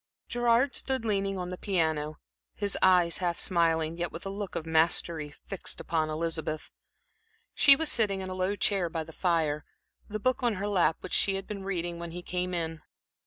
Gerard stood leaning on the piano, his eyes half smiling, yet with a look of mastery, fixed upon Elizabeth. She was sitting in a low chair by the fire, the book on her lap which she had been reading when he came in.